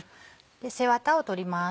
背ワタを取ります。